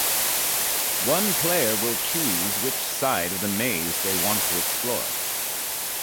One player will choose which side of the maze they want to explore.